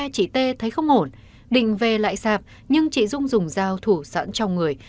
chị t thấy không ổn định về lại sạp nhưng chị dung dùng rào thủ sẵn trong người